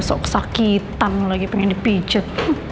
sok sakitan lagi pengen dipijit